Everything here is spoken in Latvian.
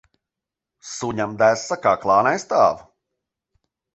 Suņam desa kaklā nestāv.